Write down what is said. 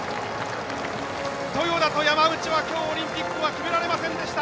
豊田と山内はきょうオリンピックは決められませんでした。